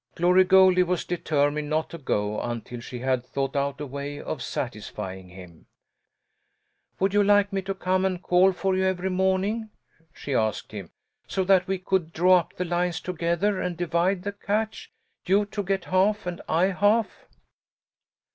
Glory Goldie was determined not to go until she had thought out a way of satisfying him. "Would you like me to come and call for you every morning," she asked him, "so that we could draw up the lines together and divide the catch you to get half, and I half?"